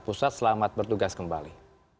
pusat selamat bertugas kembali